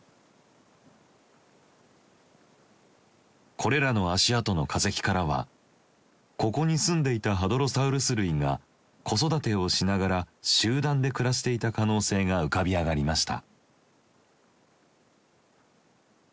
これらの足跡の化石からはここにすんでいたハドロサウルス類が子育てをしながら集団で暮らしていた可能性が浮かび上がりました。